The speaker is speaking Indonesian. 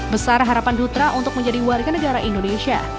besar harapan dutra untuk menjadi warga negara indonesia